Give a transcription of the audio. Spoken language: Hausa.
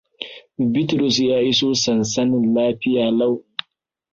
Bitrus ya iso sansanin lafiya lau.